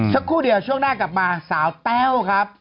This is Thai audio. สักครู่เดียวช่วงหน้ากลับมาสาวแต้วครับ